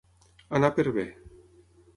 Anar per bé.